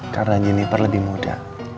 karena jennifer lebih muda